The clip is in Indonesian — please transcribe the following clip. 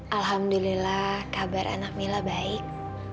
alhamdulillah kabar anak mila baik